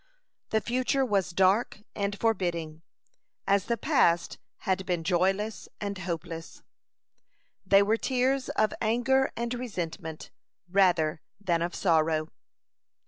The future was dark and forbidding, as the past had been joyless and hopeless. They were tears of anger and resentment, rather than of sorrow.